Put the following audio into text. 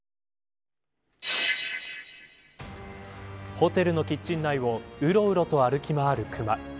ホテルのキッチン内をうろうろと歩き回る熊。